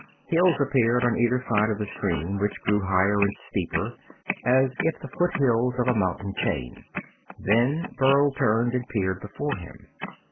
Hills appeared on either side of the stream, which grew higher and steeper, as if the foothills of a mountain chain. Then Burl turned and peered before him.